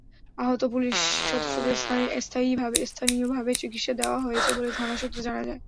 আহত পুলিশ সদস্যদের স্থানীয়ভাবে চিকিৎসা দেওয়া হয়েছে বলে থানা সূত্রে জানা যায়।